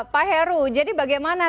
pak heru jadi bagaimana